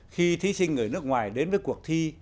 khi thí sinh người nước ngoài đến với cuộc thi